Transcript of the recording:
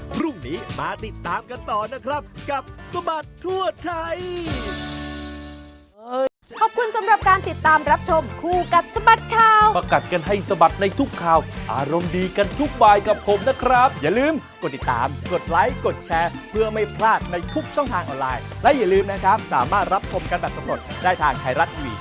พรุ่งนี้มาติดตามกันต่อนะครับกับสบัดทั่วไทย